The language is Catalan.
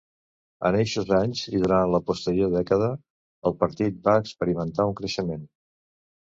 En eixos anys i durant la posterior dècada, el partit va experimentar un creixement.